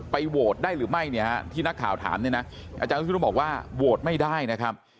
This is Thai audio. โหวตได้หรือไม่เนี่ยฮะที่นักข่าวถามเนี่ยนะอาจารย์วิศนุบอกว่าโหวตไม่ได้นะครับ